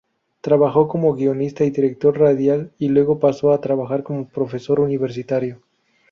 Trabajó como guionista y director radial y luego pasó a trabajar como profesor universitario.